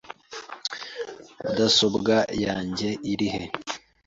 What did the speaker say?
Mudasobwa yanjye irihe?